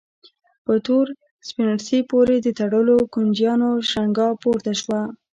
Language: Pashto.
په تور سپڼسي پورې د تړلو کونجيانو شرنګا پورته شوه.